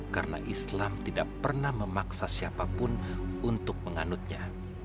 karena islam tidak pernah memaksa siapapun untuk menganutnya